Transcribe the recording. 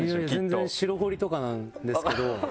全然白ホリとかなんですけど。